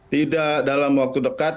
tidak dalam waktu dekat